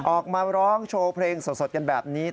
ออกมาร้องโชว์เพลงสดกันแบบนี้